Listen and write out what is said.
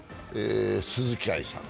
鈴木愛さんが。